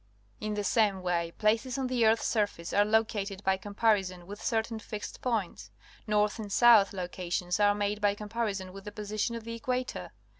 In the same way, places on the earth's surface are located by comparison with certain fixed points. North and south loca tions are made by comparison with the position of the equator.